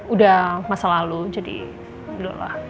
udah masa lalu jadi gitu lah